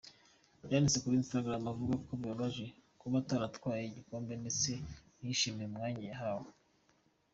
Yanditse kuri Instagram avuga ko ‘bibabaje kuba ataratwaye igikombe ndetse ntiyishimiye umwanya yahawe’.